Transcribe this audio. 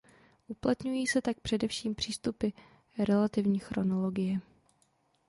Uplatňují se tak především přístupy relativní chronologie.